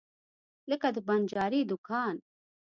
لکه د بنجاري دکان.